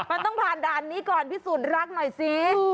เราต้องผ่านดานนี้ก่อนพี่ศูนย์รักหน่อยสิ